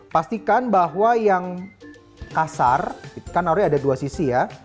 pastikan bahwa yang kasar kan harusnya ada dua sisi ya